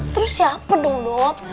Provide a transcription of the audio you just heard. terus siapa dong dot